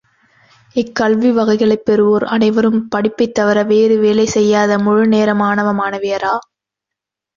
இக்கல்லி வகைகளைப் பெறுவோர் அனைவரும் படிப்பைத் தவிர வேறு வேலை செய்யாத முழு நேர மாணவ மாணவியரா?